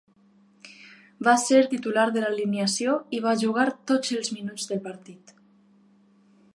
Va ser titular de l'alineació i va jugar tots els minuts del partit.